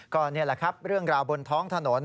ก็นี่แหละครับเรื่องราวบนท้องถนน